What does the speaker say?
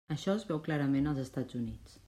Això es veu clarament als Estats Units.